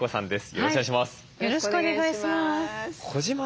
よろしくお願いします。